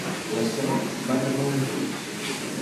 La sort va tapada d'ulls.